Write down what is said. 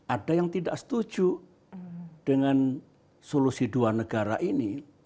ada yang tidak setuju dengan solusi dua negara ini